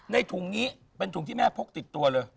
ถุงนี้เป็นถุงที่แม่พกติดตัวเลย